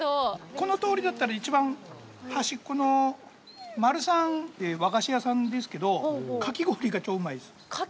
この通りだったら一番端っこの丸三って和菓子屋さんですけどかき氷が超うまいです。